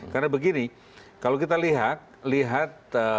karena begini kalau kita lihat